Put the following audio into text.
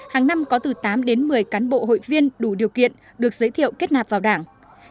hàng năm có từ tám đến một mươi cán bộ hội viên đủ điều kiện được giới thiệu kết nạp vào đảng